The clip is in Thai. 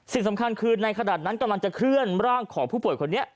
สิ่งสำคัญคือในขณะนั้นกำลังจะเคลื่อนร่างของผู้ป่วยคนนี้